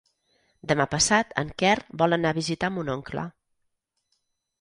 Demà passat en Quer vol anar a visitar mon oncle.